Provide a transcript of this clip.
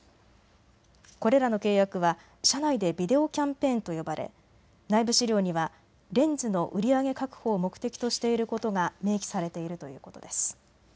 これらの契約は社内でビデオキャンペーンと呼ばれ内部資料にはレンズの売り上げ確保を目的としていることが明記されているということです。